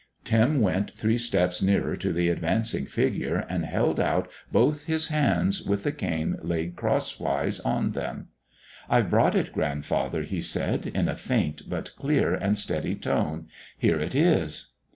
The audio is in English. Tim went three steps nearer to the advancing figure and held out both his hands with the cane laid crosswise on them. "I've brought it, Grandfather," he said, in a faint but clear and steady tone; "here it is."